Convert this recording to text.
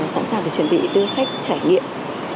sẵn sàng chuẩn bị đưa khách trải nghiệm